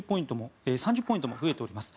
３０ポイントも増えております。